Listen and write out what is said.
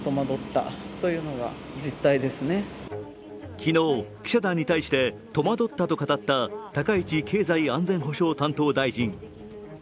昨日、記者団に対して戸惑ったと語った高市経済安保担当大臣。